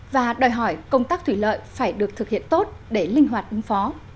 và đòi hỏi công tác thủy lợi phải được thực hiện tốt để linh hoạt ứng phó